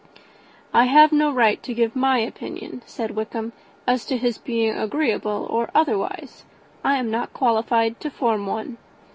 "I have no right to give my opinion," said Wickham, "as to his being agreeable or otherwise. I am not qualified to form one.